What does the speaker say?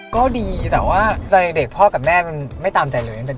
ก็ดีแต่ว่าใจเด็กพ่อกับแม่มันไม่ตามใจเลย